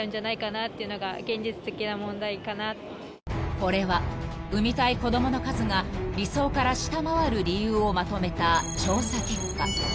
［これは産みたい子供の数が理想から下回る理由をまとめた調査結果］